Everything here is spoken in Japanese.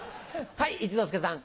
はい一之輔さん。